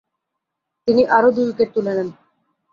তিনি আরও দুই উইকেট তুলে নেন।